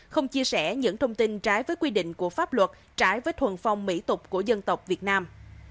không chia sẻ những thông tin trái với quy định của pháp luật trái với thuần phong mỹ tục của dân tộc việt nam